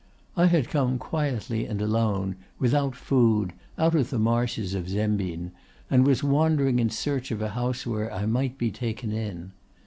I had come quietly and alone, without food, out of the marshes of Zembin, and was wandering in search of a house where I might be taken in.